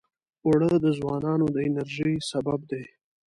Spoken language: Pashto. اوړه د ځوانانو د انرژۍ سبب دي